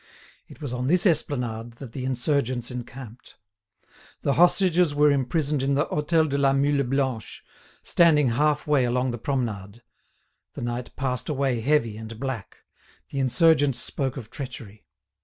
It was on this esplanade that the insurgents encamped. The hostages were imprisoned in the Hôtel de la Mule Blanche, standing half way along the promenade. The night passed away heavy and black. The insurgents spoke of treachery.